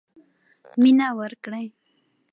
مینه ورکړئ.